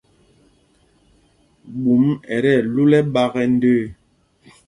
Ɓûm ɛ tí ɛlúl ɛ́ɓāk ɛ ndəə.